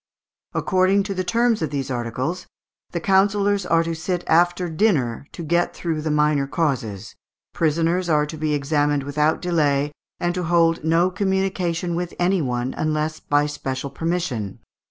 According to the terms of these articles, "the councillors are to sit after dinner, to get through the minor causes. Prisoners are to be examined without delay, and to hold no communication with any one, unless by special permission.